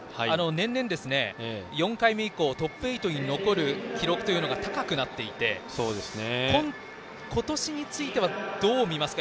年々、４回目以降トップ８に残る記録が高くなっていて今年についてはどう見ますか。